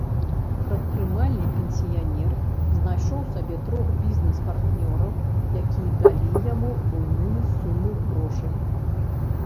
Прадпрымальны пенсіянер знайшоў сабе трох бізнэс-партнёраў, якія далі яму буйныя сумы грошай.